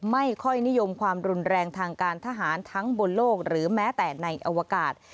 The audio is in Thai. ไม่ค่อยนิยมความรุนแรงทางการทหารทั้งบนโลกหรือแม้แต่ในอวกาศ